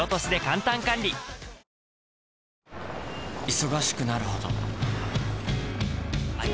忙しくなるほどはい！